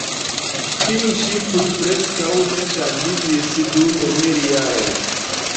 Tiuj ŝipoj preskaŭ ne ŝanĝiĝis dum mil jaroj.